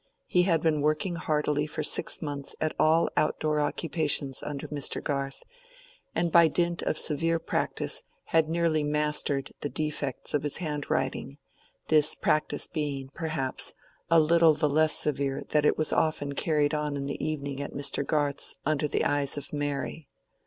He had been working heartily for six months at all outdoor occupations under Mr. Garth, and by dint of severe practice had nearly mastered the defects of his handwriting, this practice being, perhaps, a little the less severe that it was often carried on in the evening at Mr. Garth's under the eyes of Mary.